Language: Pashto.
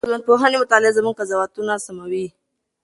د ټولنپوهنې مطالعه زموږ قضاوتونه سموي.